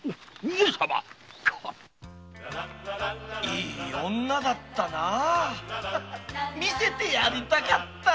いい女だったな見せてやりたかったぜ。